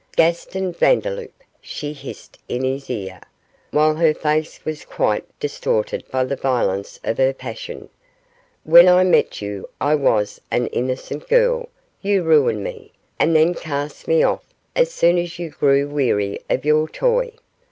'Gaston Vandeloup!' she hissed in his ear, while her face was quite distorted by the violence of her passion, 'when I met you I was an innocent girl you ruined me, and then cast me off as soon as you grew weary of your toy.